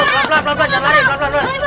pelan pelan pelan